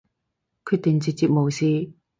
決定直接無視